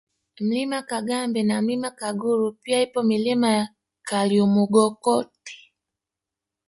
Mlima Kagambe na Mlima Kaguru pia ipo Milima ya Kalyamukogote